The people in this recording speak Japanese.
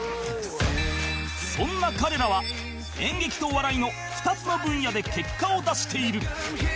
そんな彼らは演劇とお笑いの２つの分野で結果を出している